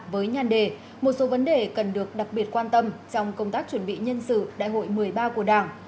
với nhan đề một số vấn đề cần được đặc biệt quan tâm trong công tác chuẩn bị nhân sự đại hội một mươi ba của đảng